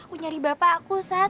aku nyari bapak aku set